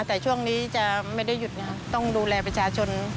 แต่ช่วงนี้จะไม่ได้หยุดนะครับต้องดูแลประชาชน